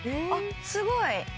すごい